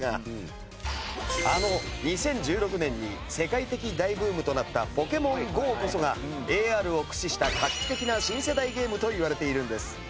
あの２０１６年に世界的大ブームとなった『ＰｏｋｍｏｎＧＯ』こそがＡＲを駆使した画期的な新世代ゲームといわれているんです。